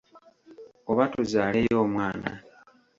Oba tuzaaleyo omwana.